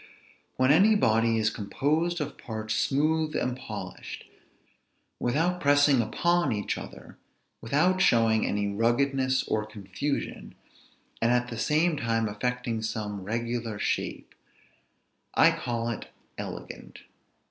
When any body is composed of parts smooth and polished, without pressing upon each other, without showing any ruggedness or confusion, and at the same time affecting some regular shape, I call it elegant.